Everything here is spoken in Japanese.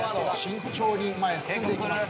慎重に前へ進んでいきます。